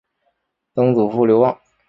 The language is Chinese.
曾祖父刘旺。